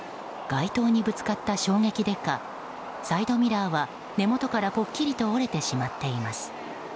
街灯にぶつかった衝撃でかサイドミラーは根元からぽっきりと折れてしまっています。